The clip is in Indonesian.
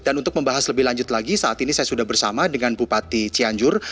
dan untuk membahas lebih lanjut lagi saat ini saya sudah bersama dengan bupati cianjur